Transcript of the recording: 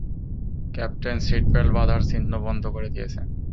Captain seat belt বাঁধার চিহ্ন বন্ধ করে দিয়েছেন।